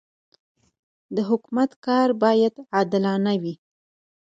د حکومت کار باید عادلانه وي.